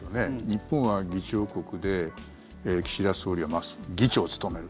日本は議長国で岸田総理は議長を務める。